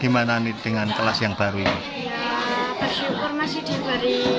ini dari tempat yang berasa